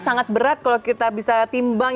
sangat berat kalau kita bisa timbang